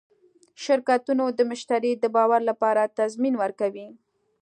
شرکتونه د مشتری د باور لپاره تضمین ورکوي.